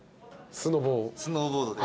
スノーボードで。